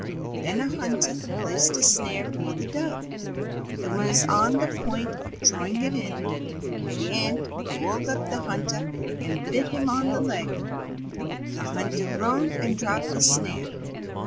Then a hunter placed a snare for the Dove, and was on the point of drawing it in. The Ant crawled up to the hunter and bit him on the leg ; the hunter groaned and dropped the snare.